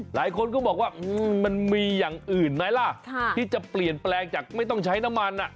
หลายคนก็บอกว่ามันมีอย่างอื่นไหมล่ะที่จะเปลี่ยนแปลงจากไม่ต้องใช้น้ำมัน